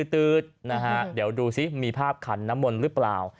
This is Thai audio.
ตื๊ดนะฮะเดี๋ยวดูสิมีภาพขันน้ำมนต์หรือเปล่า